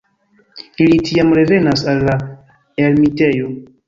Ili tiam revenas al la ermitejo.